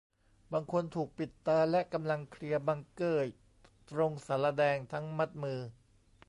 บางคนถูกปิดตา และกำลังเคลียร์บังเกอร์ตรงศาลาแดง ทั้งมัดมือ